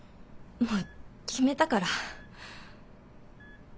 もう決めたから。